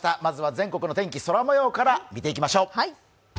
全国の天気、空もようから見ていきましょう。